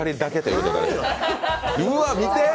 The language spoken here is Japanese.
うわ、見て！